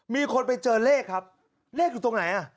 มีคนไปเจอเลขครับเลขอยู่ตรงไหนอ่ะ